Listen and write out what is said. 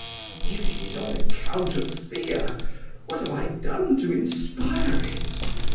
If it is on account of fear, what have I done to inspire it?